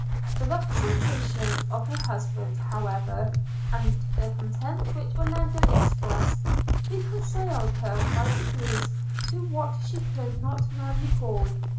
The representations of her husband, however, and the content which Orlando expressed, reconciled her by degrees to what she could not now recall.